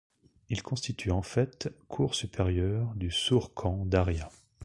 Il constitue en fait cours supérieur du Sourkhan Daria.